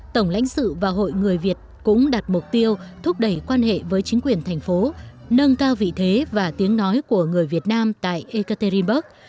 tổng lãnh sự và hội người việt cũng đặt mục tiêu thúc đẩy quan hệ với chính quyền thành phố nâng cao vị thế và tiếng nói của người việt nam tại ekaterinburg